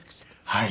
はい。